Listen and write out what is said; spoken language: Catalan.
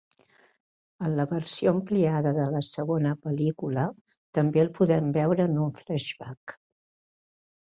En la versió ampliada de la segona pel·lícula també el podem veure en un flashback.